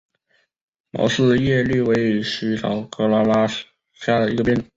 毛四叶葎为茜草科拉拉藤属下的一个变种。